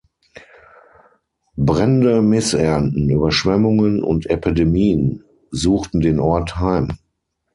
Brände, Missernten, Überschwemmungen und Epidemien suchten den Ort heim.